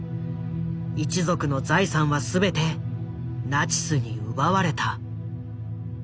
一族の財産は全てナチスに奪われた。